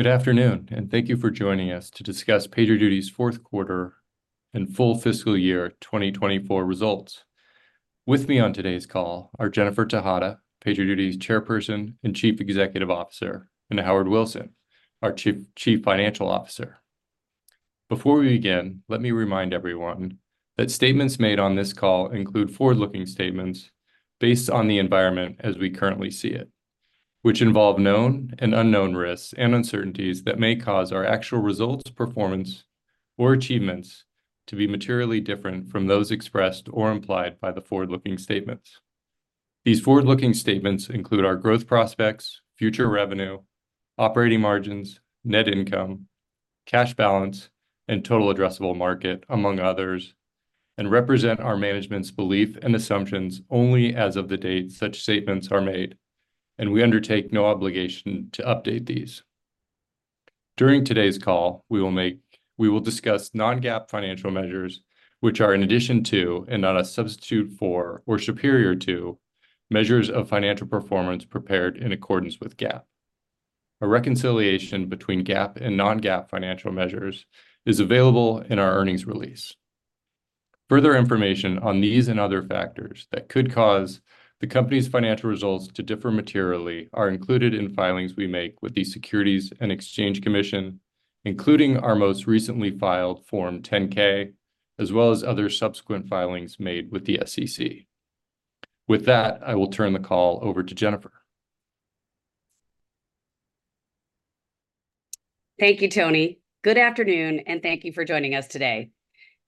Good afternoon, and thank you for joining us to discuss PagerDuty's fourth quarter and full fiscal year 2024 results. With me on today's call are Jennifer Tejada, PagerDuty's Chairperson and Chief Executive Officer, and Howard Wilson, our Chief Financial Officer. Before we begin, let me remind everyone that statements made on this call include forward-looking statements based on the environment as we currently see it, which involve known and unknown risks and uncertainties that may cause our actual results, performance, or achievements to be materially different from those expressed or implied by the forward-looking statements. These forward-looking statements include our growth prospects, future revenue, operating margins, net income, cash balance, and total addressable market, among others, and represent our management's belief and assumptions only as of the date such statements are made, and we undertake no obligation to update these. During today's call, we will discuss non-GAAP financial measures, which are in addition to and not a substitute for or superior to measures of financial performance prepared in accordance with GAAP. A reconciliation between GAAP and non-GAAP financial measures is available in our earnings release. Further information on these and other factors that could cause the company's financial results to differ materially are included in filings we make with the Securities and Exchange Commission, including our most recently filed Form 10-K, as well as other subsequent filings made with the SEC. With that, I will turn the call over to Jennifer. Thank you, Tony. Good afternoon, and thank you for joining us today.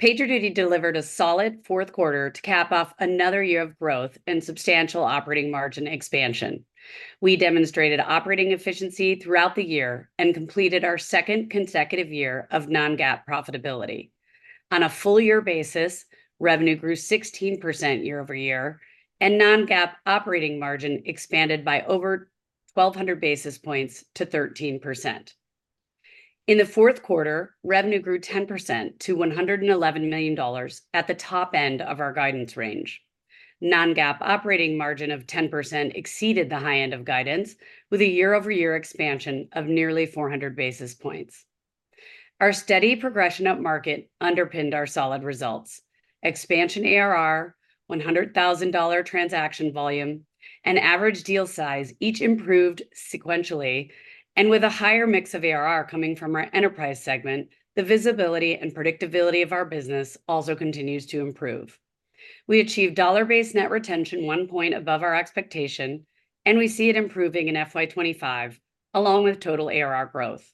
PagerDuty delivered a solid fourth quarter to cap off another year of growth and substantial operating margin expansion. We demonstrated operating efficiency throughout the year and completed our second consecutive year of non-GAAP profitability. On a full-year basis, revenue grew 16% year-over-year, and non-GAAP operating margin expanded by over 1,200 basis points to 13%. In the fourth quarter, revenue grew 10% to $111 million at the top end of our guidance range. Non-GAAP operating margin of 10% exceeded the high end of guidance with a year-over-year expansion of nearly 400 basis points. Our steady progression upmarket underpinned our solid results: expansion ARR, $100,000 transaction volume, and average deal size each improved sequentially. And with a higher mix of ARR coming from our enterprise segment, the visibility and predictability of our business also continues to improve. We achieved dollar-based net retention 1 point above our expectation, and we see it improving in FY25 along with total ARR growth.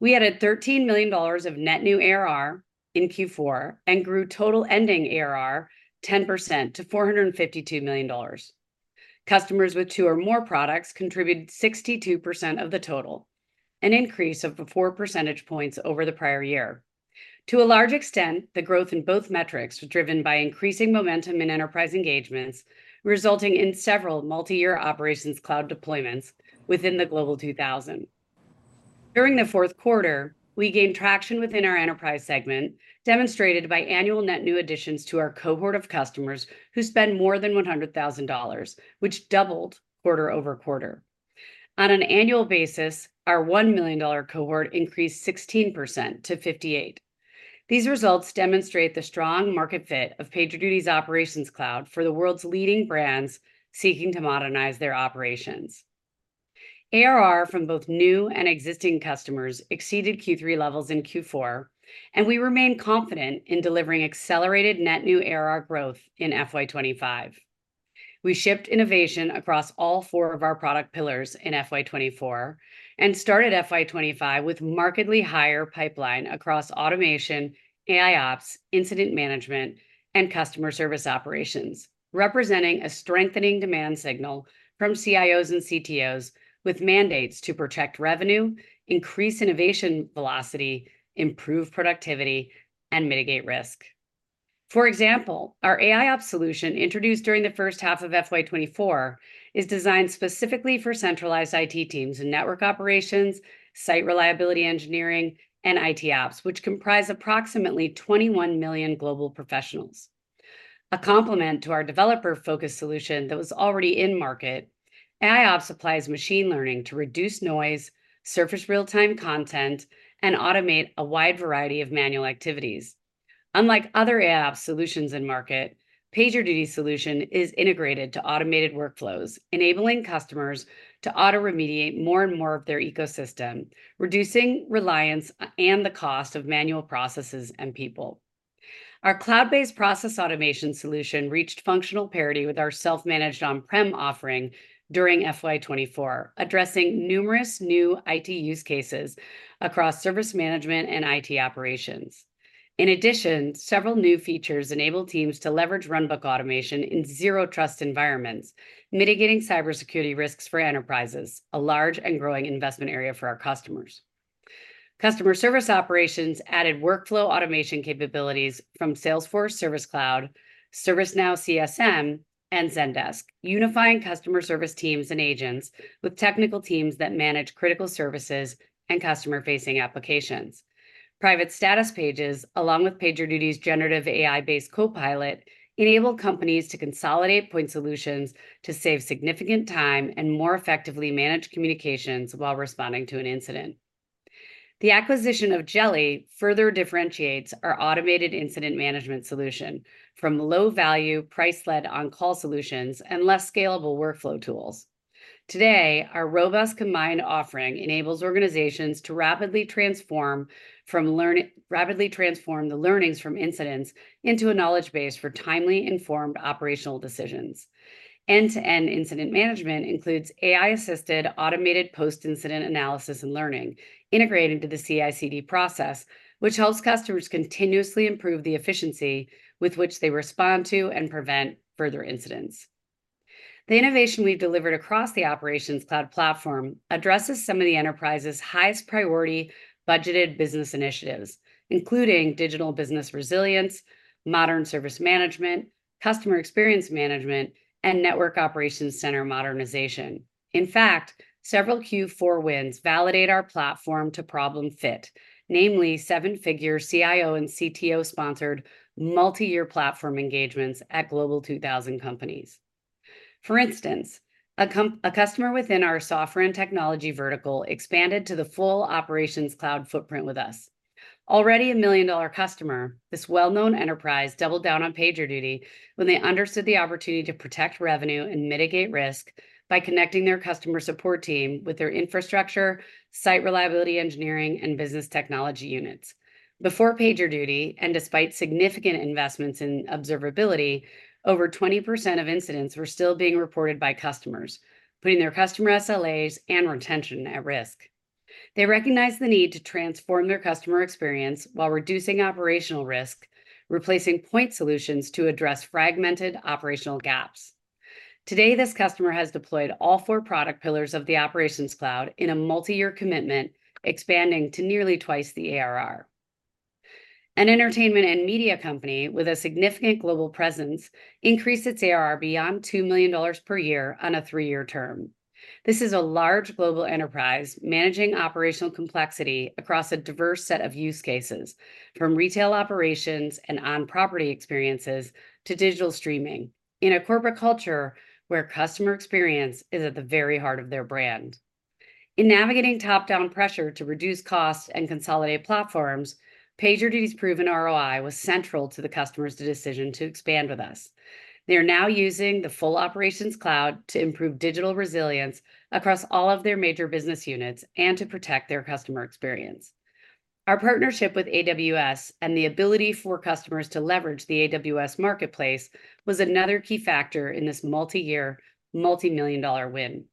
We added $13 million of net new ARR in Q4 and grew total ending ARR 10% to $452 million. Customers with two or more products contributed 62% of the total, an increase of four percentage points over the prior year. To a large extent, the growth in both metrics was driven by increasing momentum in enterprise engagements, resulting in several multi-year Operations Cloud deployments within the Global 2000. During the fourth quarter, we gained traction within our enterprise segment, demonstrated by annual net new additions to our cohort of customers who spend more than $100,000, which doubled quarter-over-quarter. On an annual basis, our $1 million cohort increased 16% to 58%. These results demonstrate the strong market fit of PagerDuty Operations Cloud for the world's leading brands seeking to modernize their operations. ARR from both new and existing customers exceeded Q3 levels in Q4, and we remain confident in delivering accelerated net new ARR growth in FY25. We shipped innovation across all four of our product pillars in FY24 and started FY25 with markedly higher pipeline across automation, AIOps, incident management, and customer service operations, representing a strengthening demand signal from CIOs and CTOs with mandates to protect revenue, increase innovation velocity, improve productivity, and mitigate risk. For example, our AIOps solution introduced during the first half of FY24 is designed specifically for centralized IT teams in network operations, site reliability engineering, and IT Ops, which comprise approximately 21 million global professionals. A complement to our developer-focused solution that was already in market, AIOps applies machine learning to reduce noise, surface real-time content, and automate a wide variety of manual activities. Unlike other AIOps solutions in market, PagerDuty's solution is integrated to automated workflows, enabling customers to auto-remediate more and more of their ecosystem, reducing reliance and the cost of manual processes and people. Our cloud-based process automation solution reached functional parity with our self-managed on-prem offering during FY24, addressing numerous new IT use cases across service management and IT operations. In addition, several new features enable teams to leverage runbook automation in zero-trust environments, mitigating cybersecurity risks for enterprises, a large and growing investment area for our customers. Customer service operations added workflow automation capabilities from Salesforce Service Cloud, ServiceNow CSM, and Zendesk, unifying customer service teams and agents with technical teams that manage critical services and customer-facing applications. Private status pages, along with PagerDuty's generative AI-based Copilot, enable companies to consolidate point solutions to save significant time and more effectively manage communications while responding to an incident. The acquisition of Jeli further differentiates our automated incident management solution from low-value, price-led on-call solutions and less scalable workflow tools. Today, our robust combined offering enables organizations to rapidly transform the learnings from incidents into a knowledge base for timely informed operational decisions. End-to-end incident management includes AI-assisted automated post-incident analysis and learning integrated into the CI/CD process, which helps customers continuously improve the efficiency with which they respond to and prevent further incidents. The innovation we've delivered across the Operations Cloud platform addresses some of the enterprise's highest priority budgeted business initiatives, including digital business resilience, modern service management, customer experience management, and network operations center modernization. In fact, several Q4 wins validate our platform to problem fit, namely seven-figure CIO- and CTO-sponsored multi-year platform engagements at Global 2000 companies. For instance, a customer within our software and technology vertical expanded to the full Operations Cloud footprint with us. Already a million-dollar customer, this well-known enterprise doubled down on PagerDuty when they understood the opportunity to protect revenue and mitigate risk by connecting their customer support team with their infrastructure, site reliability engineering, and business technology units. Before PagerDuty and despite significant investments in observability, over 20% of incidents were still being reported by customers, putting their customer SLAs and retention at risk. They recognized the need to transform their customer experience while reducing operational risk, replacing point solutions to address fragmented operational gaps. Today, this customer has deployed all four product pillars of the Operations Cloud in a multi-year commitment expanding to nearly twice the ARR. An entertainment and media company with a significant global presence increased its ARR beyond $2 million per year on a three-year term. This is a large global enterprise managing operational complexity across a diverse set of use cases, from retail operations and on-property experiences to digital streaming in a corporate culture where customer experience is at the very heart of their brand. In navigating top-down pressure to reduce costs and consolidate platforms, PagerDuty's proven ROI was central to the customer's decision to expand with us. They are now using the full Operations Cloud to improve digital resilience across all of their major business units and to protect their customer experience. Our partnership with AWS and the ability for customers to leverage the AWS Marketplace was another key factor in this multi-year, multi-million-dollar win.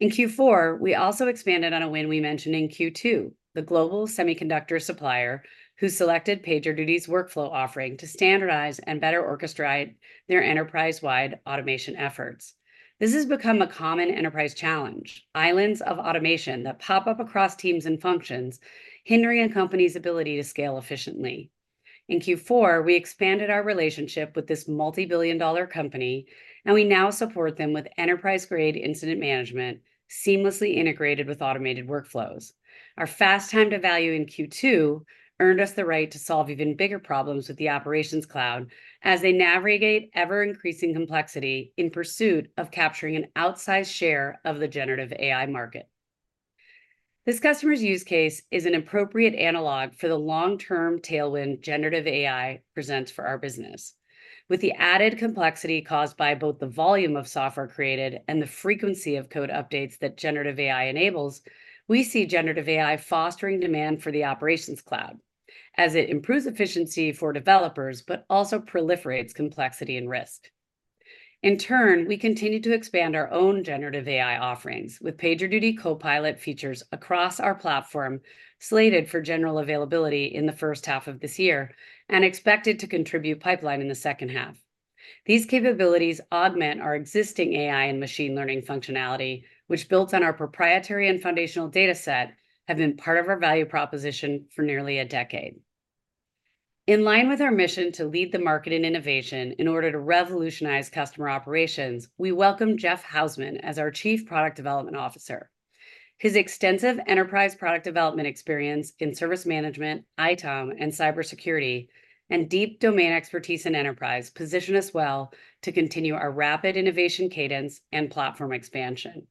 In Q4, we also expanded on a win we mentioned in Q2, the global semiconductor supplier who selected PagerDuty's workflow offering to standardize and better orchestrate their enterprise-wide automation efforts. This has become a common enterprise challenge: islands of automation that pop up across teams and functions, hindering a company's ability to scale efficiently. In Q4, we expanded our relationship with this multi-billion dollar company, and we now support them with enterprise-grade incident management seamlessly integrated with automated workflows. Our fast time to value in Q2 earned us the right to solve even bigger problems with the Operations Cloud as they navigate ever-increasing complexity in pursuit of capturing an outsized share of the generative AI market. This customer's use case is an appropriate analog for the long-term tailwind generative AI presents for our business. With the added complexity caused by both the volume of software created and the frequency of code updates that generative AI enables, we see generative AI fostering demand for the Operations Cloud as it improves efficiency for developers but also proliferates complexity and risk. In turn, we continue to expand our own generative AI offerings with PagerDuty Copilot features across our platform slated for general availability in the first half of this year and expected to contribute pipeline in the second half. These capabilities augment our existing AI and machine learning functionality, which built on our proprietary and foundational data set have been part of our value proposition for nearly a decade. In line with our mission to lead the market in innovation in order to revolutionize customer operations, we welcome Jeff Hausman as our Chief Product Development Officer. His extensive enterprise product development experience in service management, ITOM, and cybersecurity, and deep domain expertise in enterprise position us well to continue our rapid innovation cadence and platform expansion.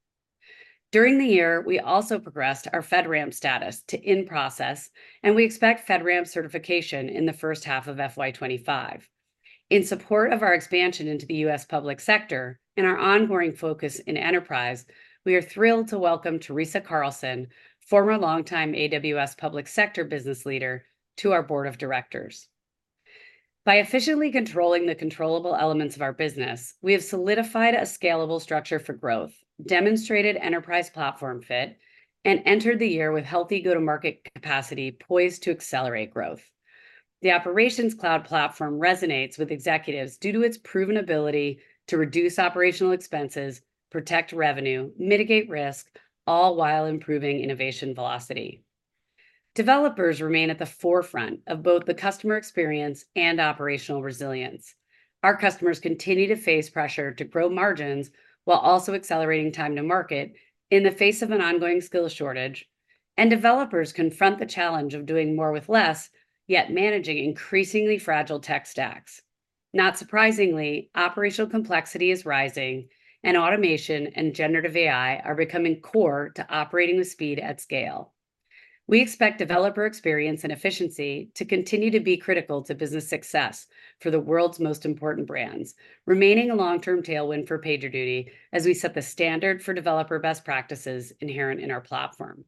During the year, we also progressed our FedRAMP status to in-process, and we expect FedRAMP certification in the first half of FY25. In support of our expansion into the U.S. Public Sector and our ongoing focus in enterprise, we are thrilled to welcome Teresa Carlson, former longtime AWS public sector business leader, to our board of directors. By efficiently controlling the controllable elements of our business, we have solidified a scalable structure for growth, demonstrated enterprise platform fit, and entered the year with healthy go-to-market capacity poised to accelerate growth. The Operations Cloud platform resonates with executives due to its proven ability to reduce operational expenses, protect revenue, mitigate risk, all while improving innovation velocity. Developers remain at the forefront of both the customer experience and operational resilience. Our customers continue to face pressure to grow margins while also accelerating time to market in the face of an ongoing skill shortage, and developers confront the challenge of doing more with less yet managing increasingly fragile tech stacks. Not surprisingly, operational complexity is rising, and automation and generative AI are becoming core to operating with speed at scale. We expect developer experience and efficiency to continue to be critical to business success for the world's most important brands, remaining a long-term tailwind for PagerDuty as we set the standard for developer best practices inherent in our platform.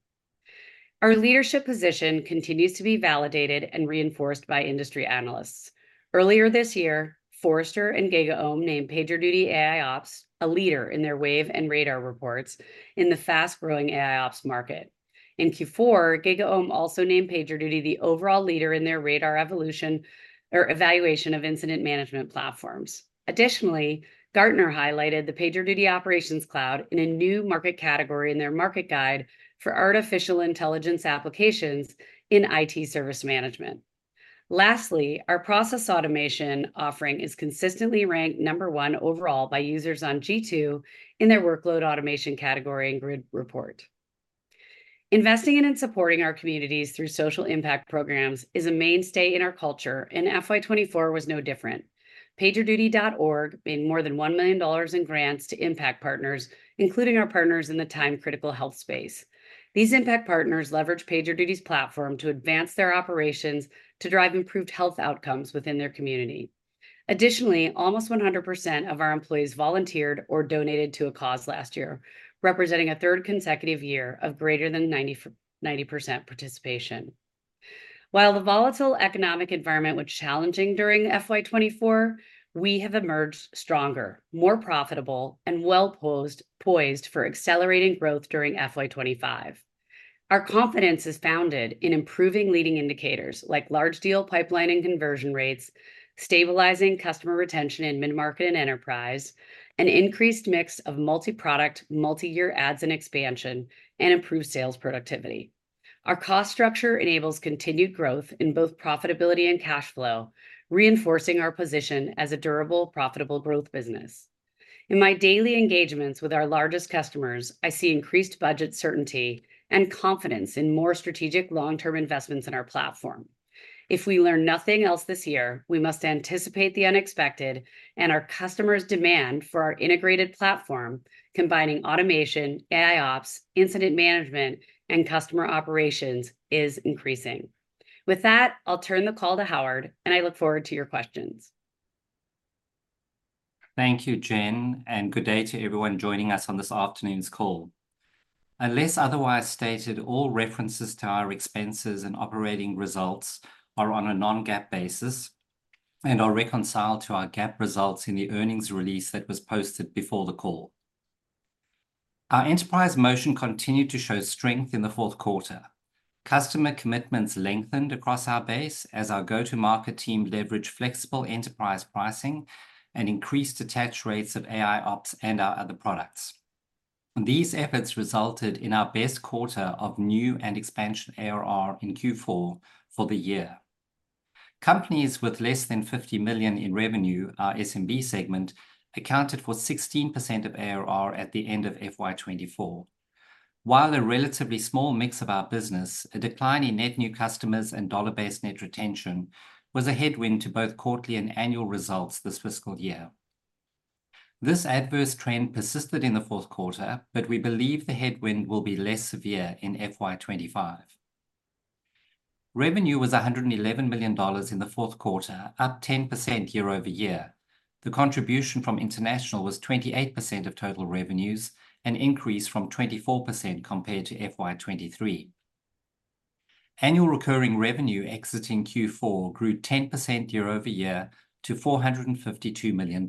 Our leadership position continues to be validated and reinforced by industry analysts. Earlier this year, Forrester and GigaOm named PagerDuty AIOps a leader in their Wave and Radar reports in the fast-growing AIOps market. In Q4, GigaOm also named PagerDuty the overall leader in their Radar evaluation of incident management platforms. Additionally, Gartner highlighted the PagerDuty Operations Cloud in a new market category in their Market Guide for Artificial Intelligence Applications in IT Service Management. Lastly, our process automation offering is consistently ranked number one overall by users on G2 in their Workload Automation category and Grid report. Investing in and supporting our communities through social impact programs is a mainstay in our culture, and FY2024 was no different. PagerDuty.org made more than $1 million in grants to impact partners, including our partners in the time-critical health space. These impact partners leveraged PagerDuty's platform to advance their operations to drive improved health outcomes within their community. Additionally, almost 100% of our employees volunteered or donated to a cause last year, representing a third consecutive year of greater than 90% participation. While the volatile economic environment was challenging during FY24, we have emerged stronger, more profitable, and well-poised for accelerating growth during FY25. Our confidence is founded in improving leading indicators like large deal pipeline and conversion rates, stabilizing customer retention in mid-market and enterprise, an increased mix of multi-product, multi-year adds and expansion, and improved sales productivity. Our cost structure enables continued growth in both profitability and cash flow, reinforcing our position as a durable, profitable growth business. In my daily engagements with our largest customers, I see increased budget certainty and confidence in more strategic long-term investments in our platform. If we learn nothing else this year, we must anticipate the unexpected, and our customers' demand for our integrated platform combining automation, AIOps, incident management, and customer operations is increasing. With that, I'll turn the call to Howard, and I look forward to your questions. Thank you, Jen, and good day to everyone joining us on this afternoon's call. Unless otherwise stated, all references to our expenses and operating results are on a non-GAAP basis and are reconciled to our GAAP results in the earnings release that was posted before the call. Our enterprise motion continued to show strength in the fourth quarter. Customer commitments lengthened across our base as our go-to-market team leveraged flexible enterprise pricing and increased attach rates of AIOps and our other products. These efforts resulted in our best quarter of new and expansion ARR in Q4 for the year. Companies with less than 50 million in revenue, our SMB segment, accounted for 16% of ARR at the end of FY2024. While a relatively small mix of our business, a decline in net new customers and dollar-based net retention was a headwind to both quarterly and annual results this fiscal year. This adverse trend persisted in the fourth quarter, but we believe the headwind will be less severe in FY25. Revenue was $111 million in the fourth quarter, up 10% year-over-year. The contribution from international was 28% of total revenues, an increase from 24% compared to FY23. Annual recurring revenue exiting Q4 grew 10% year-over-year to $452 million.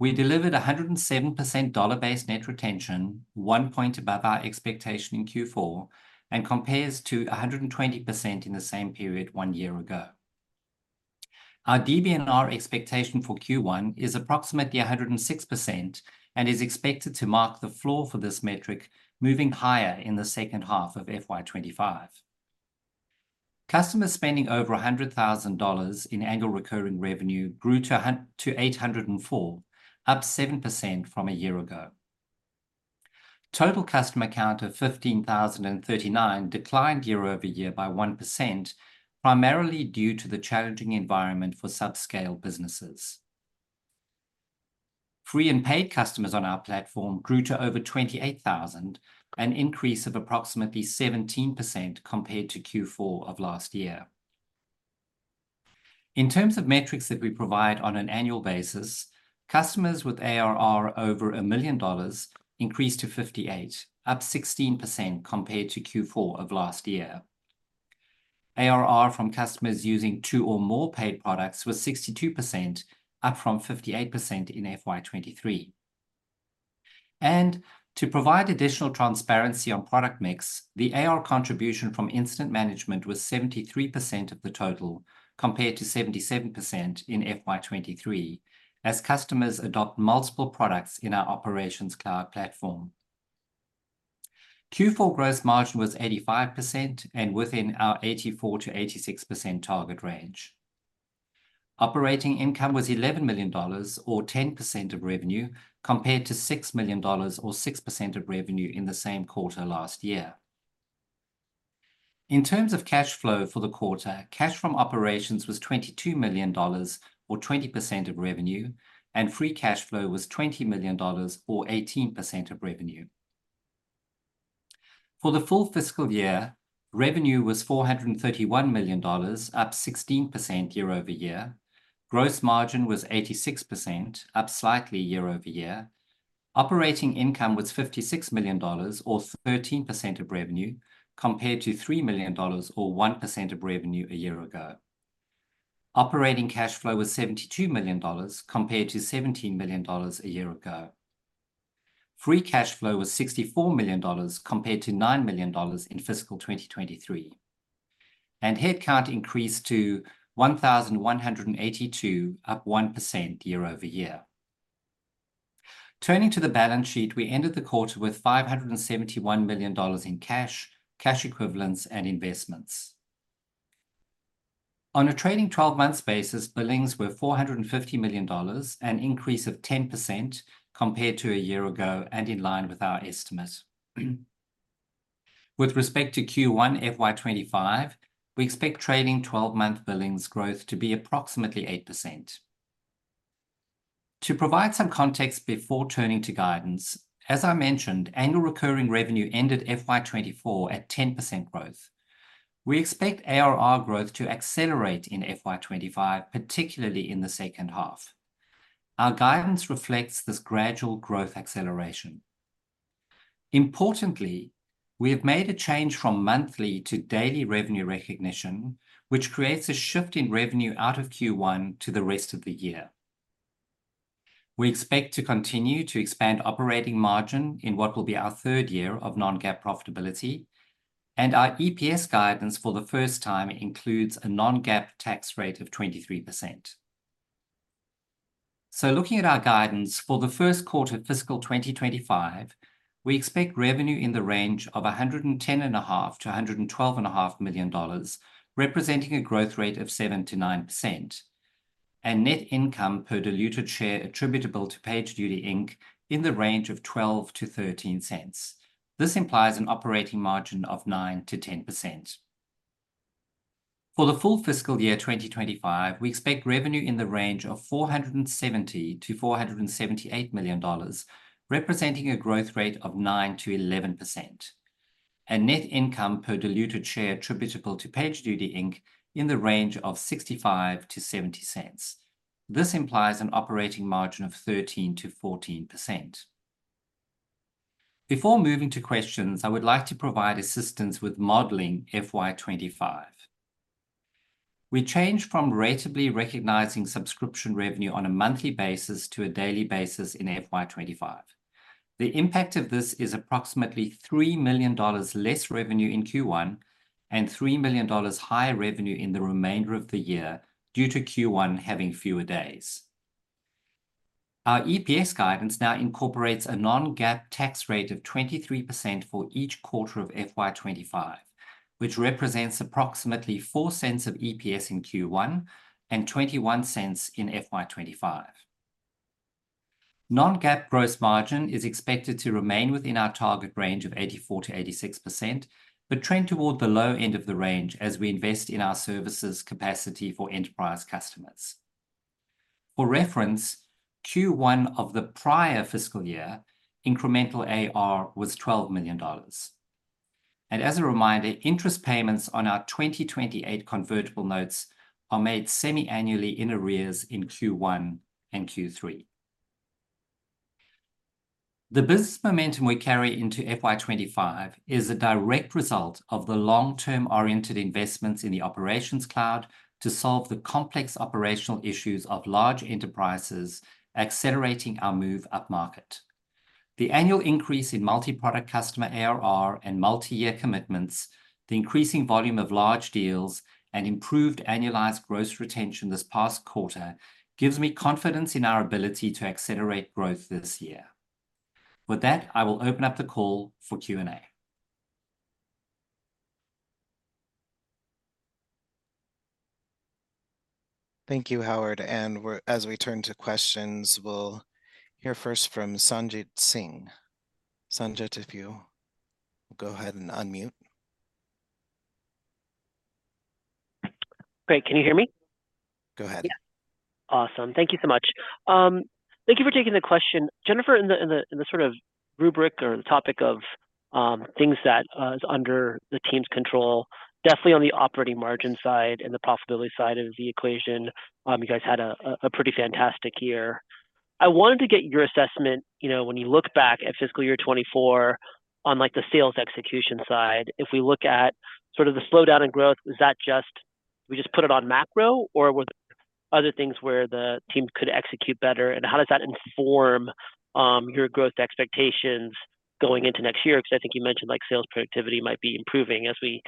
We delivered 107% dollar-based net retention, one point above our expectation in Q4, and compares to 120% in the same period one year ago. Our DB&R expectation for Q1 is approximately 106% and is expected to mark the floor for this metric, moving higher in the second half of FY25. Customer spending over $100,000 in annual recurring revenue grew to 804, up 7% from a year ago. Total customer count of 15,039 declined year-over-year by 1%, primarily due to the challenging environment for subscale businesses. Free and paid customers on our platform grew to over 28,000, an increase of approximately 17% compared to Q4 of last year. In terms of metrics that we provide on an annual basis, customers with ARR over $1 million increased to 58, up 16% compared to Q4 of last year. ARR from customers using two or more paid products was 62%, up from 58% in FY 2023. To provide additional transparency on product mix, the ARR contribution from incident management was 73% of the total compared to 77% in FY 2023 as customers adopt multiple products in our Operations Cloud platform. Q4 gross margin was 85% and within our 84%-86% target range. Operating income was $11 million or 10% of revenue compared to $6 million or 6% of revenue in the same quarter last year. In terms of cash flow for the quarter, cash from operations was $22 million or 20% of revenue, and free cash flow was $20 million or 18% of revenue. For the full fiscal year, revenue was $431 million, up 16% year-over-year. Gross margin was 86%, up slightly year-over-year. Operating income was $56 million or 13% of revenue compared to $3 million or 1% of revenue a year ago. Operating cash flow was $72 million compared to $17 million a year ago. Free cash flow was $64 million compared to $9 million in fiscal 2023. Headcount increased to 1,182, up 1% year-over-year. Turning to the balance sheet, we ended the quarter with $571 million in cash, cash equivalents, and investments. On a trailing 12-month basis, billings were $450 million, an increase of 10% compared to a year ago and in line with our estimate. With respect to Q1 FY25, we expect trailing 12-month billings growth to be approximately 8%. To provide some context before turning to guidance, as I mentioned, annual recurring revenue ended FY24 at 10% growth. We expect ARR growth to accelerate in FY25, particularly in the second half. Our guidance reflects this gradual growth acceleration. Importantly, we have made a change from monthly to daily revenue recognition, which creates a shift in revenue out of Q1 to the rest of the year. We expect to continue to expand operating margin in what will be our third year of non-GAAP profitability. And our EPS guidance for the first time includes a non-GAAP tax rate of 23%. So looking at our guidance for the first quarter fiscal 2025, we expect revenue in the range of $110.5-$112.5 million, representing a growth rate of 7%-9%. And net income per diluted share attributable to PagerDuty Inc. in the range of $0.12-$0.13. This implies an operating margin of 9%-10%. For the full fiscal year 2025, we expect revenue in the range of $470-$478 million, representing a growth rate of 9%-11%. And net income per diluted share attributable to PagerDuty Inc. in the range of $0.65-$0.70. This implies an operating margin of 13%-14%. Before moving to questions, I would like to provide assistance with modeling FY25. We changed from ratably recognizing subscription revenue on a monthly basis to a daily basis in FY25. The impact of this is approximately $3 million less revenue in Q1 and $3 million higher revenue in the remainder of the year due to Q1 having fewer days. Our EPS guidance now incorporates a non-GAAP tax rate of 23% for each quarter of FY25, which represents approximately $0.04 of EPS in Q1 and $0.21 in FY25. Non-GAAP gross margin is expected to remain within our target range of 84%-86%, but trend toward the low end of the range as we invest in our services capacity for enterprise customers. For reference, Q1 of the prior fiscal year, incremental ARR was $12 million. And as a reminder, interest payments on our 2028 convertible notes are made semi-annually in arrears in Q1 and Q3. The business momentum we carry into FY25 is a direct result of the long-term oriented investments in the Operations Cloud to solve the complex operational issues of large enterprises accelerating our move up market. The annual increase in multi-product customer ARR and multi-year commitments, the increasing volume of large deals, and improved annualized gross retention this past quarter gives me confidence in our ability to accelerate growth this year. With that, I will open up the call for Q&A. Thank you, Howard. As we turn to questions, we'll hear first from Sanjit Singh. Sanjit, if you go ahead and unmute. Great. Can you hear me? Go ahead. Yeah. Awesome. Thank you so much. Thank you for taking the question. Jennifer, in the sort of rubric or the topic of things that is under the team's control, definitely on the operating margin side and the profitability side of the equation, you guys had a pretty fantastic year. I wanted to get your assessment when you look back at fiscal year 2024 on the sales execution side, if we look at sort of the slowdown in growth, was that just did we just put it on macro, or were there other things where the team could execute better? And how does that inform your growth expectations going into next year? Because I think you mentioned sales productivity might be improving as we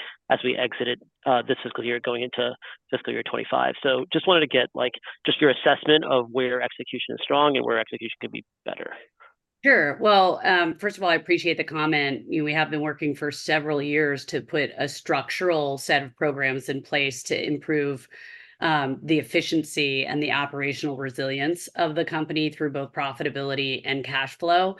exited this fiscal year going into fiscal year 2025. So just wanted to get your assessment of where execution is strong and where execution could be better. Sure. Well, first of all, I appreciate the comment. We have been working for several years to put a structural set of programs in place to improve the efficiency and the operational resilience of the company through both profitability and cash flow.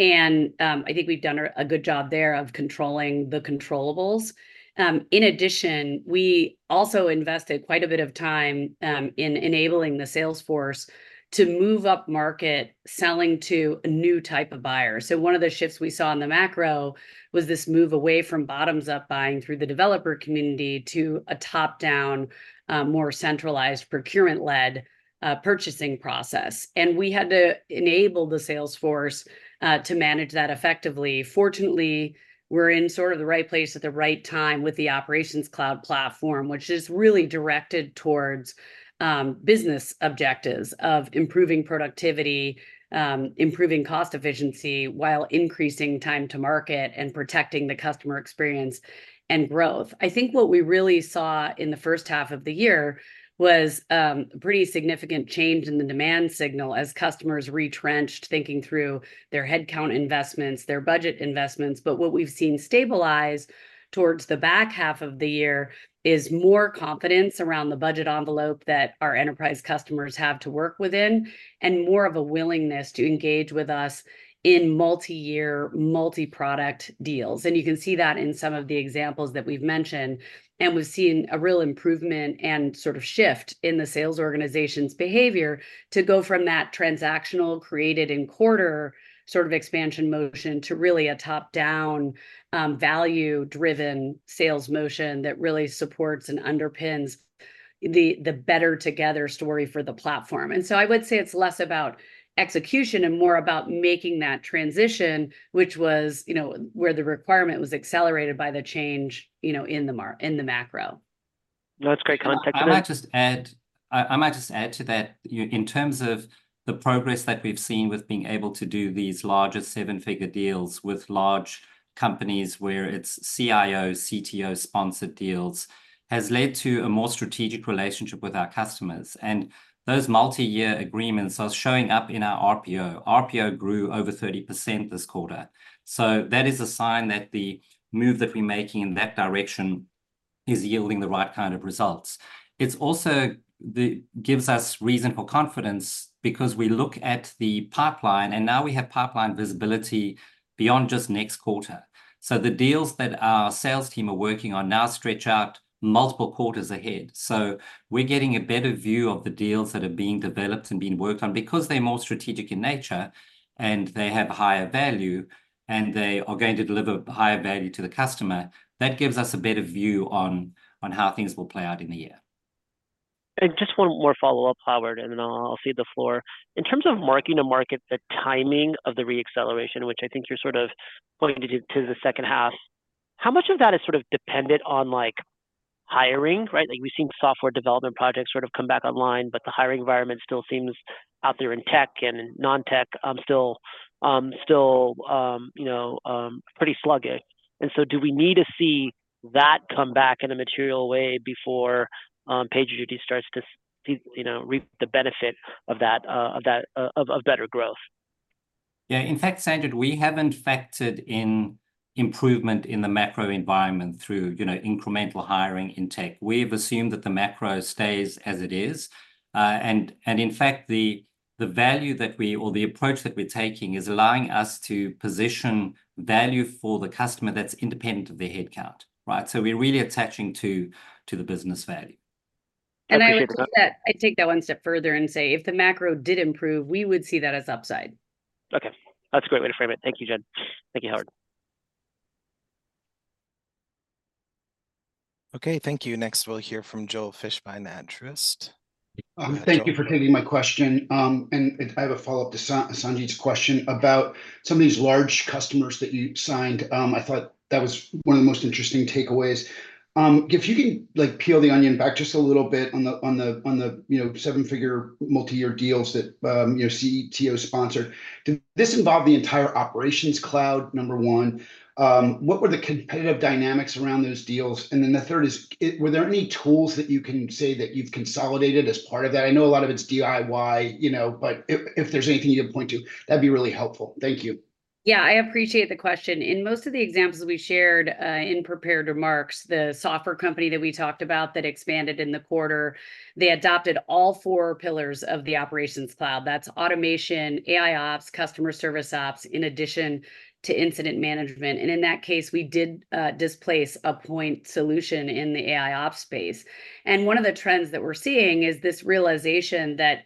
I think we've done a good job there of controlling the controllables. In addition, we also invested quite a bit of time in enabling the salesforce to move up market selling to a new type of buyer. So one of the shifts we saw in the macro was this move away from bottoms-up buying through the developer community to a top-down, more centralized procurement-led purchasing process. We had to enable the salesforce to manage that effectively. Fortunately, we're in sort of the right place at the right time with the Operations Cloud platform, which is really directed towards business objectives of improving productivity, improving cost efficiency while increasing time to market and protecting the customer experience and growth. I think what we really saw in the first half of the year was a pretty significant change in the demand signal as customers retrenched thinking through their headcount investments, their budget investments. But what we've seen stabilize towards the back half of the year is more confidence around the budget envelope that our enterprise customers have to work within and more of a willingness to engage with us in multi-year, multi-product deals. And you can see that in some of the examples that we've mentioned. We've seen a real improvement and sort of shift in the sales organization's behavior to go from that transactional created in quarter sort of expansion motion to really a top-down, value-driven sales motion that really supports and underpins the better together story for the platform. So I would say it's less about execution and more about making that transition, which was where the requirement was accelerated by the change in the macro. That's great context to that. I might just add to that in terms of the progress that we've seen with being able to do these larger seven-figure deals with large companies where it's CIO, CTO-sponsored deals has led to a more strategic relationship with our customers. And those multi-year agreements are showing up in our RPO. RPO grew over 30% this quarter. So that is a sign that the move that we're making in that direction is yielding the right kind of results. It also gives us reason for confidence because we look at the pipeline, and now we have pipeline visibility beyond just next quarter. So the deals that our sales team are working on now stretch out multiple quarters ahead. We're getting a better view of the deals that are being developed and being worked on because they're more strategic in nature and they have higher value and they are going to deliver higher value to the customer. That gives us a better view on how things will play out in the year. Just one more follow-up, Howard, and then I'll cede the floor. In terms of mark-to-market, the timing of the reacceleration, which I think you're sort of pointing to the second half, how much of that is sort of dependent on hiring, right? We've seen software development projects sort of come back online, but the hiring environment still seems out there in tech and non-tech still pretty sluggish. And so do we need to see that come back in a material way before PagerDuty starts to reap the benefit of that better growth? Yeah. In fact, Sanjit, we haven't factored in improvement in the macro environment through incremental hiring in tech. We have assumed that the macro stays as it is. In fact, the value that we or the approach that we're taking is allowing us to position value for the customer that's independent of their headcount, right? So we're really attaching to the business value. I would say that I'd take that one step further and say if the macro did improve, we would see that as upside. Okay. That's a great way to frame it. Thank you, Jen. Thank you, Howard. Okay. Thank you. Next, we'll hear from Joel Fishbein, the analyst. Thank you for taking my question. I have a follow-up to Sanjit's question about some of these large customers that you signed. I thought that was one of the most interesting takeaways. If you can peel the onion back just a little bit on the seven-figure multi-year deals that CTO-sponsored, did this involve the entire Operations Cloud, number one? What were the competitive dynamics around those deals? And then the third is, were there any tools that you can say that you've consolidated as part of that? I know a lot of it's DIY, but if there's anything you can point to, that'd be really helpful. Thank you. Yeah, I appreciate the question. In most of the examples we shared in prepared remarks, the software company that we talked about that expanded in the quarter, they adopted all four pillars of the Operations Cloud. That's automation, AIOps, customer service ops, in addition to incident management. And in that case, we did displace a point solution in the AIOps space. And one of the trends that we're seeing is this realization that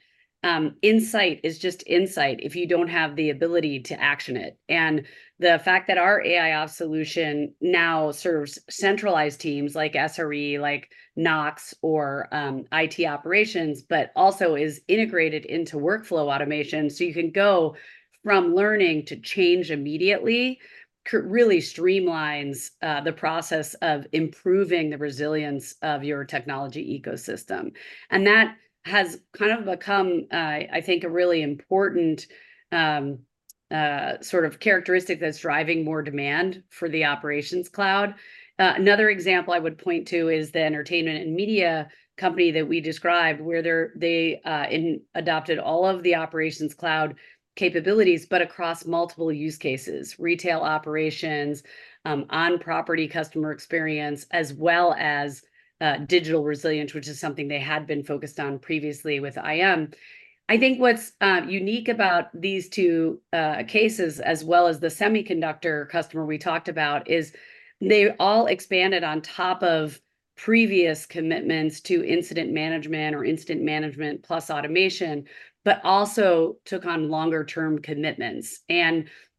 insight is just insight if you don't have the ability to action it. And the fact that our AIOps solution now serves centralized teams like SRE, like NOC or IT operations, but also is integrated into workflow automation. So you can go from learning to change immediately, really streamlines the process of improving the resilience of your technology ecosystem. That has kind of become, I think, a really important sort of characteristic that's driving more demand for the Operations Cloud. Another example I would point to is the entertainment and media company that we described where they adopted all of the Operations Cloud capabilities, but across multiple use cases, retail operations, on-property customer experience, as well as digital resilience, which is something they had been focused on previously with IM. I think what's unique about these two cases, as well as the semiconductor customer we talked about, is they all expanded on top of previous commitments to incident management or incident management plus automation, but also took on longer-term commitments.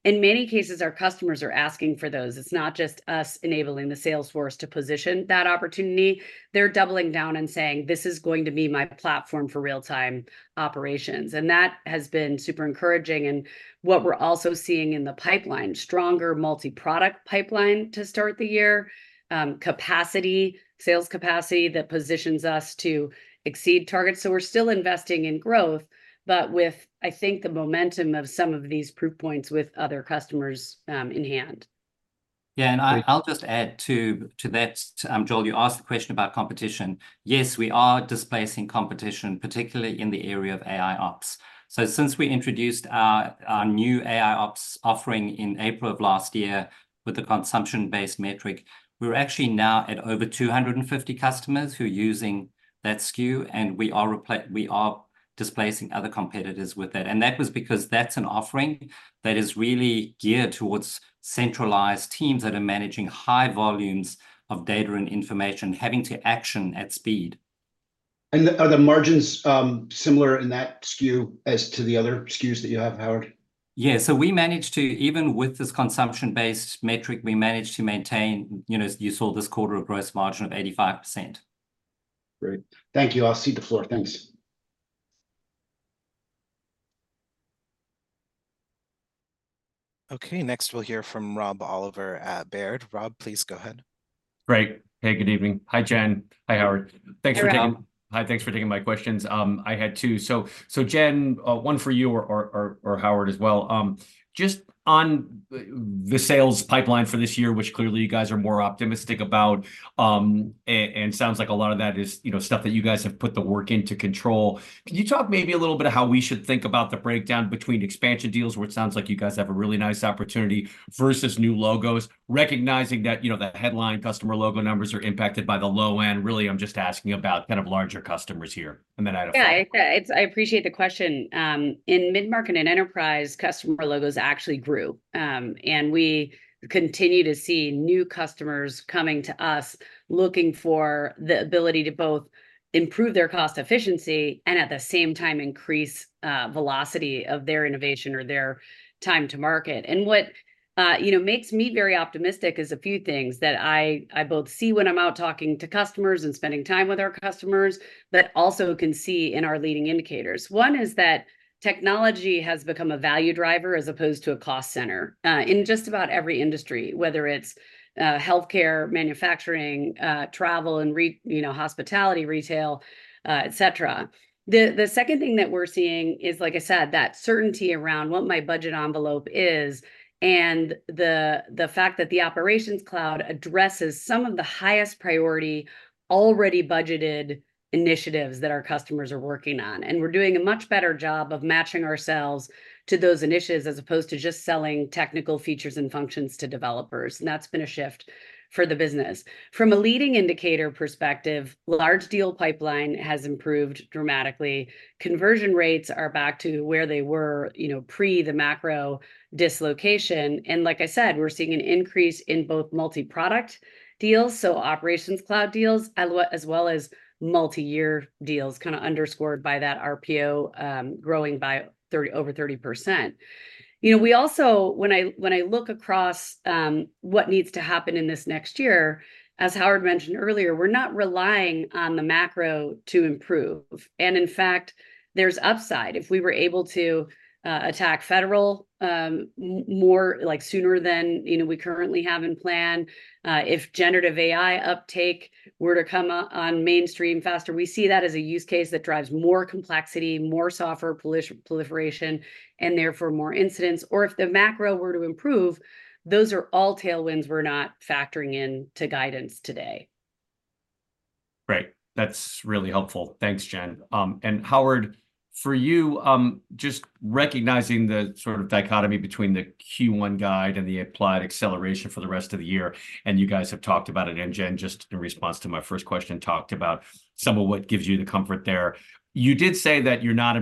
In many cases, our customers are asking for those. It's not just us enabling the sales force to position that opportunity. They're doubling down and saying, "This is going to be my platform for real-time operations." That has been super encouraging. What we're also seeing in the pipeline, stronger multi-product pipeline to start the year, capacity, sales capacity that positions us to exceed targets. We're still investing in growth, but with, I think, the momentum of some of these proof points with other customers in hand. Yeah. And I'll just add to that, Joel. You asked the question about competition. Yes, we are displacing competition, particularly in the area of AIOps. So since we introduced our new AIOps offering in April of last year with the consumption-based metric, we're actually now at over 250 customers who are using that SKU. And we are displacing other competitors with that. And that was because that's an offering that is really geared towards centralized teams that are managing high volumes of data and information, having to action at speed. Are the margins similar in that SKU as to the other SKUs that you have, Howard? Yeah. So we managed to, even with this consumption-based metric, we managed to maintain. You saw this quarter of gross margin of 85%. Great. Thank you. I'll cede the floor. Thanks. Okay. Next, we'll hear from Rob Oliver at Baird. Rob, please go ahead. Great. Hey, good evening. Hi, Jen. Hi, Howard. Thanks for taking my questions. I had two. So Jen, one for you or Howard as well. Just on the sales pipeline for this year, which clearly you guys are more optimistic about, and sounds like a lot of that is stuff that you guys have put the work into control. Can you talk maybe a little bit about how we should think about the breakdown between expansion deals, where it sounds like you guys have a really nice opportunity, versus new logos, recognizing that the headline customer logo numbers are impacted by the low end? Really, I'm just asking about kind of larger customers here. And then I don't know. Yeah. Yeah. I appreciate the question. In mid-market and enterprise, customer logos actually grew. And we continue to see new customers coming to us looking for the ability to both improve their cost efficiency and at the same time increase velocity of their innovation or their time to market. And what makes me very optimistic is a few things that I both see when I'm out talking to customers and spending time with our customers, but also can see in our leading indicators. One is that technology has become a value driver as opposed to a cost center in just about every industry, whether it's healthcare, manufacturing, travel, and hospitality, retail, etc. The second thing that we're seeing is, like I said, that certainty around what my budget envelope is and the fact that the Operations Cloud addresses some of the highest priority already budgeted initiatives that our customers are working on. We're doing a much better job of matching ourselves to those initiatives as opposed to just selling technical features and functions to developers. That's been a shift for the business. From a leading indicator perspective, large deal pipeline has improved dramatically. Conversion rates are back to where they were pre the macro dislocation. Like I said, we're seeing an increase in both multi-product deals, so Operations Cloud deals, as well as multi-year deals, kind of underscored by that RPO growing by over 30%. We also, when I look across what needs to happen in this next year, as Howard mentioned earlier, we're not relying on the macro to improve. And in fact, there's upside. If we were able to attack federal more sooner than we currently have in plan, if generative AI uptake were to come on mainstream faster, we see that as a use case that drives more complexity, more software proliferation, and therefore more incidents. Or if the macro were to improve, those are all tailwinds we're not factoring into guidance today. Right. That's really helpful. Thanks, Jen. And Howard, for you just recognizing the sort of dichotomy between the Q1 guide and the applied acceleration for the rest of the year, and you guys have talked about it, and Jen, just in response to my first question, talked about some of what gives you the comfort there. You did say that you're not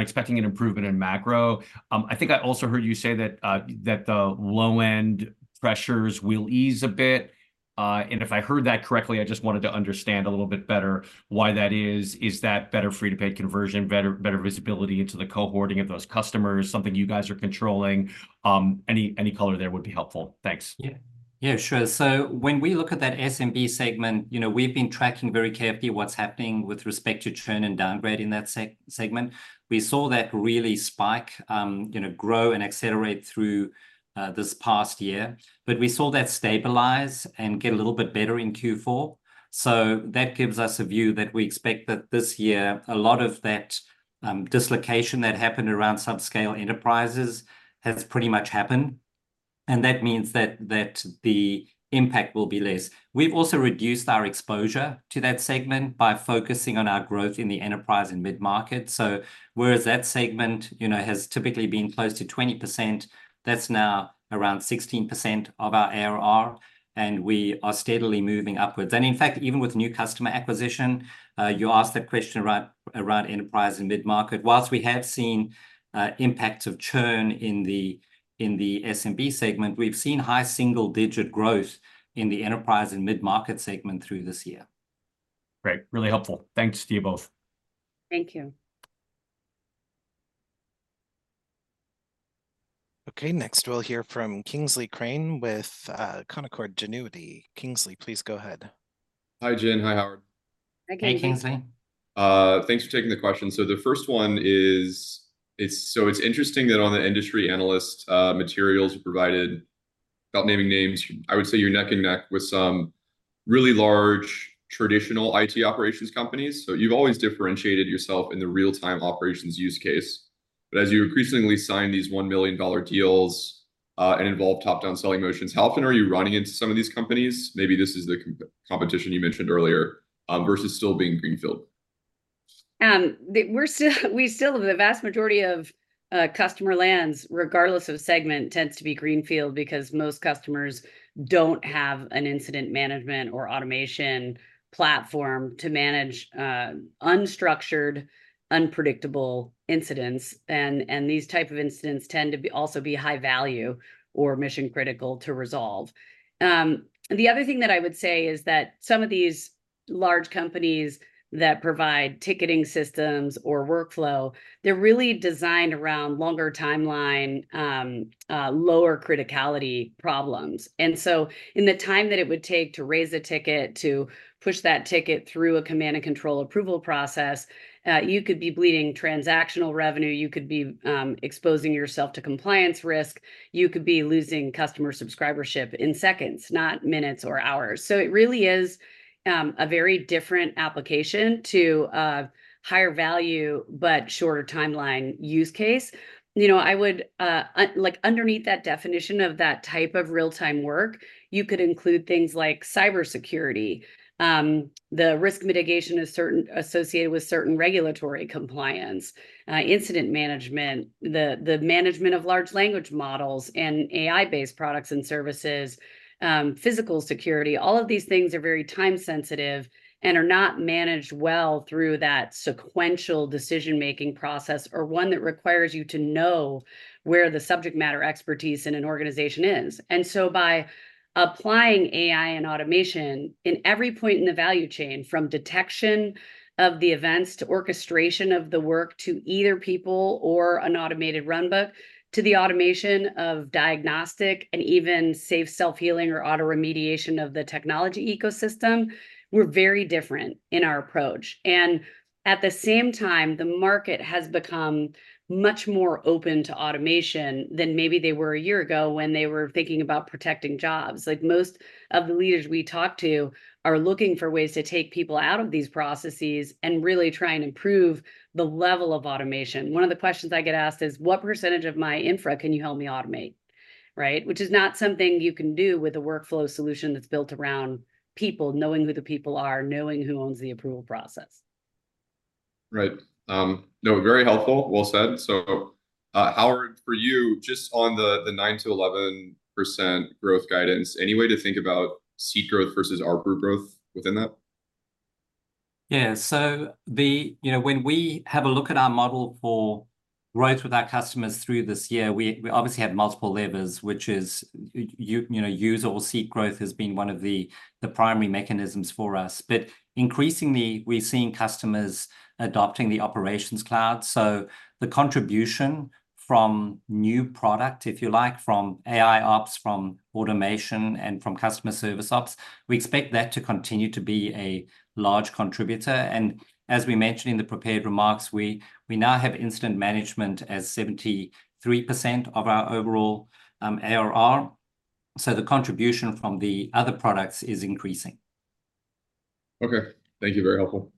expecting an improvement in macro. I think I also heard you say that the low-end pressures will ease a bit. And if I heard that correctly, I just wanted to understand a little bit better why that is. Is that better free-to-pay conversion, better visibility into the cohorting of those customers, something you guys are controlling? Any color there would be helpful. Thanks. Yeah. Yeah, sure. So when we look at that SMB segment, we've been tracking very carefully what's happening with respect to churn and downgrade in that segment. We saw that really spike, grow, and accelerate through this past year. But we saw that stabilize and get a little bit better in Q4. So that gives us a view that we expect that this year, a lot of that dislocation that happened around subscale enterprises has pretty much happened. And that means that the impact will be less. We've also reduced our exposure to that segment by focusing on our growth in the enterprise and mid-market. So whereas that segment has typically been close to 20%, that's now around 16% of our ARR. And we are steadily moving upwards. And in fact, even with new customer acquisition, you asked that question around enterprise and mid-market. While we have seen impacts of churn in the SMB segment, we've seen high single-digit growth in the enterprise and mid-market segment through this year. Great. Really helpful. Thanks to you both. Thank you. Okay. Next, we'll hear from Kingsley Crane with Canaccord Genuity. Kingsley, please go ahead. Hi, Jen. Hi, Howard. Hey, Kingsley. Thanks for taking the question. So the first one is so it's interesting that on the industry analyst materials you provided, without naming names, I would say you're neck and neck with some really large traditional IT operations companies. So you've always differentiated yourself in the real-time operations use case. But as you increasingly sign these $1 million deals and involve top-down selling motions, how often are you running into some of these companies? Maybe this is the competition you mentioned earlier versus still being greenfield. We still have the vast majority of customer lands, regardless of segment, tends to be greenfield because most customers don't have an incident management or automation platform to manage unstructured, unpredictable incidents. These types of incidents tend to also be high value or mission-critical to resolve. The other thing that I would say is that some of these large companies that provide ticketing systems or workflow, they're really designed around longer timeline, lower criticality problems. And so in the time that it would take to raise a ticket, to push that ticket through a command and control approval process, you could be bleeding transactional revenue. You could be exposing yourself to compliance risk. You could be losing customer subscribership in seconds, not minutes or hours. So it really is a very different application to a higher value but shorter timeline use case. I would underneath that definition of that type of real-time work, you could include things like cybersecurity, the risk mitigation associated with certain regulatory compliance, incident management, the management of large language models and AI-based products and services, physical security. All of these things are very time-sensitive and are not managed well through that sequential decision-making process or one that requires you to know where the subject matter expertise in an organization is. And so by applying AI and automation in every point in the value chain, from detection of the events to orchestration of the work to either people or an automated runbook, to the automation of diagnostic and even safe self-healing or auto-remediation of the technology ecosystem, we're very different in our approach. At the same time, the market has become much more open to automation than maybe they were a year ago when they were thinking about protecting jobs. Most of the leaders we talk to are looking for ways to take people out of these processes and really try and improve the level of automation. One of the questions I get asked is, "What percentage of my infra can you help me automate?" Right? Which is not something you can do with a workflow solution that's built around people, knowing who the people are, knowing who owns the approval process. Right. No, very helpful. Well said. So Howard, for you, just on the 9%-11% growth guidance, any way to think about seat growth versus RPO growth within that? Yeah. So when we have a look at our model for growth with our customers through this year, we obviously have multiple levers, which is user or seat growth has been one of the primary mechanisms for us. But increasingly, we're seeing customers adopting the Operations Cloud. So the contribution from new product, if you like, from AIOps, from automation, and from customer service ops, we expect that to continue to be a large contributor. And as we mentioned in the prepared remarks, we now have incident management as 73% of our overall ARR. Okay. Thank you. Very helpful.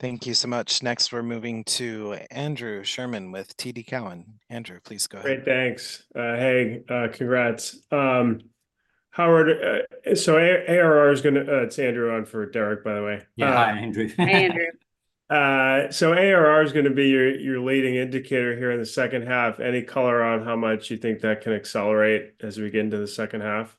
Thank you so much. Next, we're moving to Andrew Sherman with TD Cowen. Andrew, please go ahead. Great. Thanks. Hey, congrats. Howard, so ARR is going to. It's Andrew in for Derrick, by the way. Yeah. Hi, Andrew. Hi, Andrew. ARR is going to be your leading indicator here in the second half. Any color on how much you think that can accelerate as we get into the second half?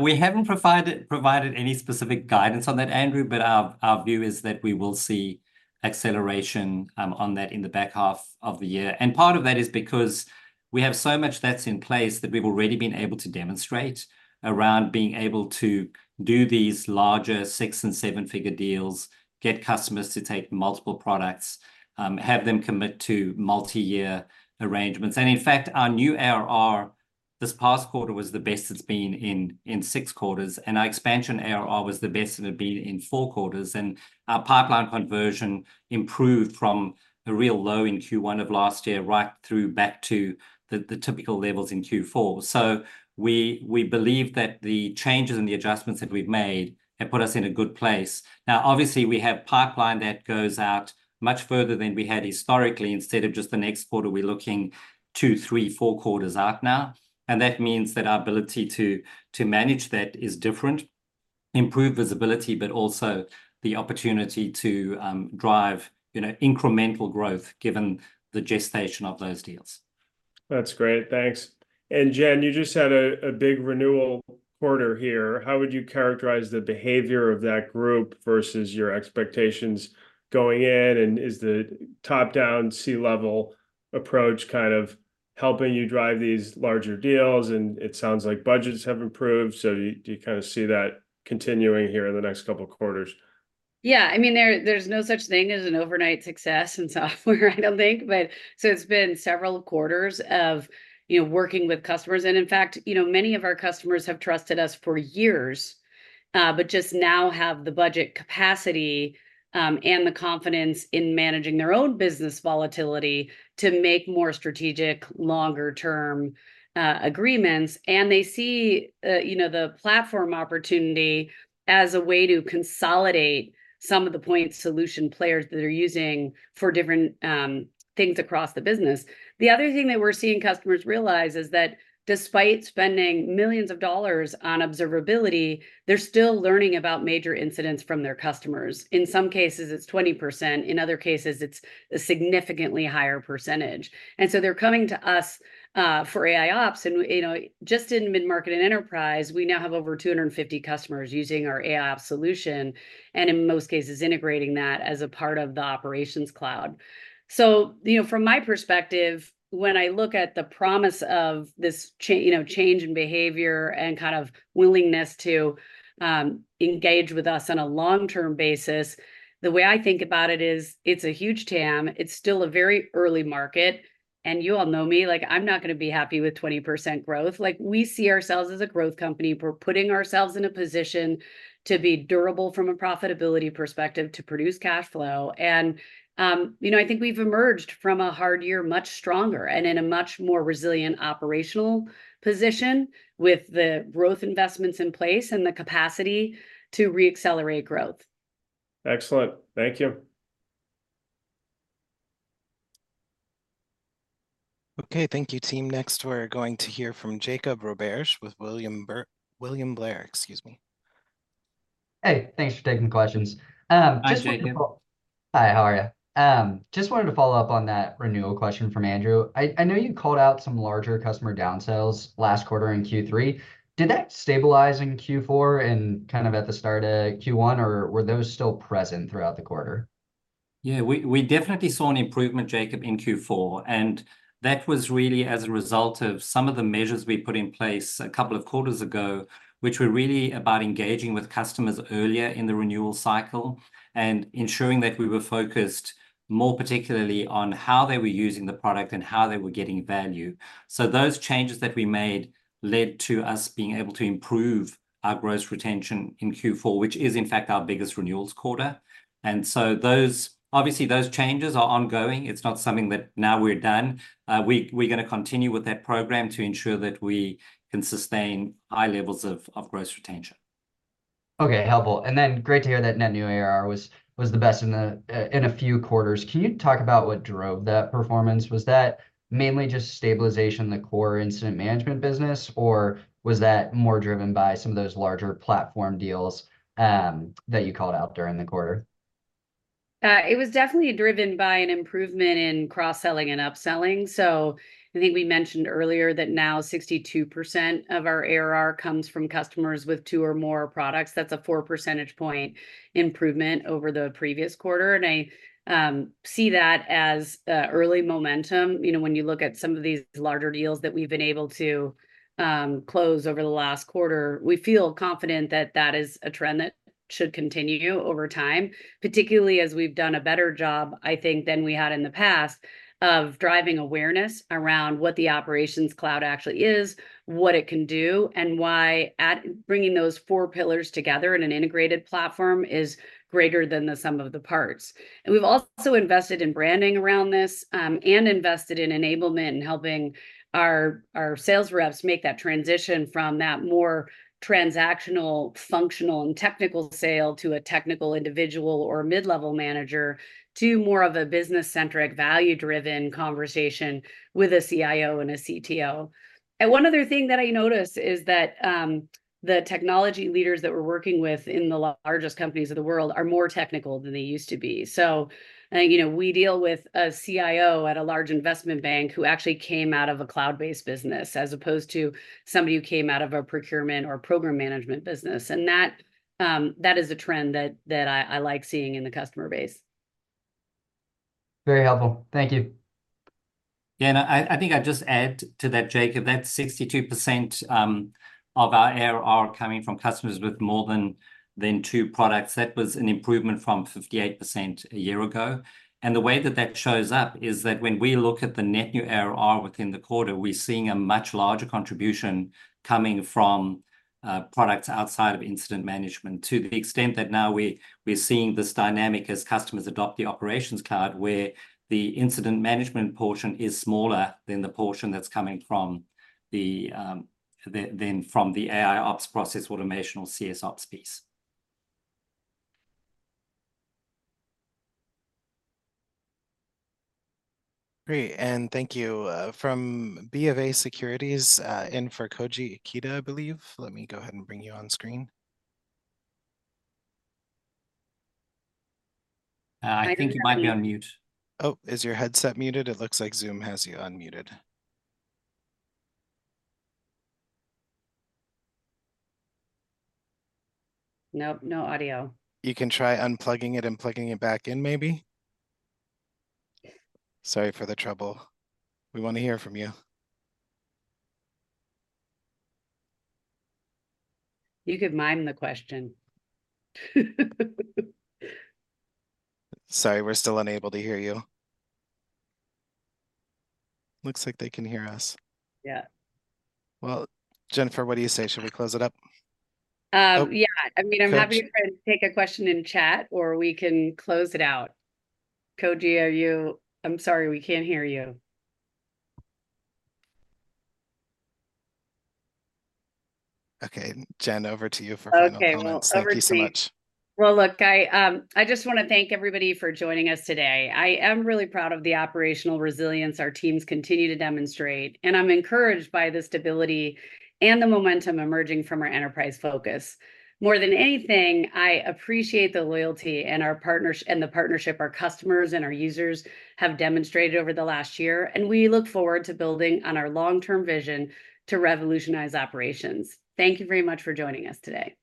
We haven't provided any specific guidance on that, Andrew. But our view is that we will see acceleration on that in the back half of the year. And part of that is because we have so much that's in place that we've already been able to demonstrate around being able to do these larger six- and seven-figure deals, get customers to take multiple products, have them commit to multi-year arrangements. And in fact, our new ARR this past quarter was the best it's been in 6 quarters. And our expansion ARR was the best it had been in 4 quarters. And our pipeline conversion improved from a real low in Q1 of last year right through back to the typical levels in Q4. So we believe that the changes and the adjustments that we've made have put us in a good place. Now, obviously, we have pipeline that goes out much further than we had historically. Instead of just the next quarter, we're looking two, three, four quarters out now. That means that our ability to manage that is different, improve visibility, but also the opportunity to drive incremental growth given the gestation of those deals. That's great. Thanks. And Jen, you just had a big renewal quarter here. How would you characterize the behavior of that group versus your expectations going in? And is the top-down, C-level approach kind of helping you drive these larger deals? And it sounds like budgets have improved. So do you kind of see that continuing here in the next couple of quarters? Yeah. I mean, there's no such thing as an overnight success in software, I don't think. So it's been several quarters of working with customers. And in fact, many of our customers have trusted us for years, but just now have the budget capacity and the confidence in managing their own business volatility to make more strategic, longer-term agreements. And they see the platform opportunity as a way to consolidate some of the point solution players that they're using for different things across the business. The other thing that we're seeing customers realize is that despite spending millions of dollars on observability, they're still learning about major incidents from their customers. In some cases, it's 20%. In other cases, it's a significantly higher percentage. And so they're coming to us for AIOps. Just in mid-market and enterprise, we now have over 250 customers using our AIOps solution and in most cases integrating that as a part of the Operations Cloud. From my perspective, when I look at the promise of this change in behavior and kind of willingness to engage with us on a long-term basis, the way I think about it is it's a huge TAM. It's still a very early market. You all know me. I'm not going to be happy with 20% growth. We see ourselves as a growth company. We're putting ourselves in a position to be durable from a profitability perspective, to produce cash flow. I think we've emerged from a hard year much stronger and in a much more resilient operational position with the growth investments in place and the capacity to reaccelerate growth. Excellent. Thank you. Okay. Thank you, team. Next, we're going to hear from Jacob Roberge with William Blair. Excuse me. Hey. Thanks for taking the questions. Hi, how are you? Just wanted to follow up on that renewal question from Andrew. I know you called out some larger customer downsells last quarter in Q3. Did that stabilize in Q4 and kind of at the start of Q1, or were those still present throughout the quarter? Yeah. We definitely saw an improvement, Jacob, in Q4. That was really as a result of some of the measures we put in place a couple of quarters ago, which were really about engaging with customers earlier in the renewal cycle and ensuring that we were focused more particularly on how they were using the product and how they were getting value. Those changes that we made led to us being able to improve our gross retention in Q4, which is, in fact, our biggest renewals quarter. Obviously, those changes are ongoing. It's not something that now we're done. We're going to continue with that program to ensure that we can sustain high levels of gross retention. Okay. Helpful. And then great to hear that net new ARR was the best in a few quarters. Can you talk about what drove that performance? Was that mainly just stabilization in the core incident management business, or was that more driven by some of those larger platform deals that you called out during the quarter? It was definitely driven by an improvement in cross-selling and upselling. I think we mentioned earlier that now 62% of our ARR comes from customers with two or more products. That's a four percentage point improvement over the previous quarter. I see that as early momentum. When you look at some of these larger deals that we've been able to close over the last quarter, we feel confident that that is a trend that should continue over time, particularly as we've done a better job, I think, than we had in the past of driving awareness around what the Operations Cloud actually is, what it can do, and why bringing those four pillars together in an integrated platform is greater than the sum of the parts. We've also invested in branding around this and invested in enablement and helping our sales reps make that transition from that more transactional, functional, and technical sale to a technical individual or mid-level manager to more of a business-centric, value-driven conversation with a CIO and a CTO. One other thing that I noticed is that the technology leaders that we're working with in the largest companies of the world are more technical than they used to be. So we deal with a CIO at a large investment bank who actually came out of a cloud-based business as opposed to somebody who came out of a procurement or program management business. That is a trend that I like seeing in the customer base. Very helpful. Thank you. Yeah. And I think I'd just add to that, Jacob, that 62% of our ARR coming from customers with more than two products, that was an improvement from 58% a year ago. And the way that that shows up is that when we look at the net new ARR within the quarter, we're seeing a much larger contribution coming from products outside of incident management to the extent that now we're seeing this dynamic as customers adopt the Operations Cloud where the incident management portion is smaller than the portion that's coming from the AIOps Process Automation, or CSOps piece. Great. Thank you. From BofA Securities in for Koji Ikeda, I believe. Let me go ahead and bring you on screen. I think you might be on mute. Oh, is your headset muted? It looks like Zoom has you unmuted. Nope. No audio. You can try unplugging it and plugging it back in, maybe. Sorry for the trouble. We want to hear from you. You could mime the question. Sorry. We're still unable to hear you. Looks like they can hear us. Yeah. Well, Jennifer, what do you say? Should we close it up? Yeah. I mean, I'm happy to take a question in chat, or we can close it out. Koji, are you? I'm sorry. We can't hear you. Okay. Jen, over to you for final closing. Okay. Well, over to me. Thank you so much. Well, look, I just want to thank everybody for joining us today. I am really proud of the operational resilience our teams continue to demonstrate. I'm encouraged by the stability and the momentum emerging from our enterprise focus. More than anything, I appreciate the loyalty and the partnership our customers and our users have demonstrated over the last year. We look forward to building on our long-term vision to revolutionize operations. Thank you very much for joining us today.